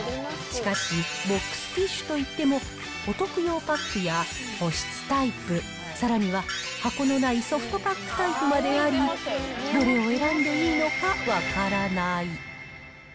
しかし、ボックスティッシュといっても、お徳用パックや保湿タイプ、さらには箱のないソフトパックタイプまであり、どれを選んでいいのか分からない。